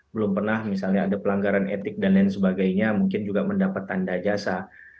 belum pernah misalnya ada pelanggaran etik dan lain sebagainya mungkin juga mendapat tanda jasa